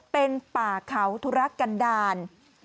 เป็นป่าเขาธุระกันดาล